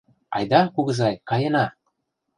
Айда, кугызай, каена!..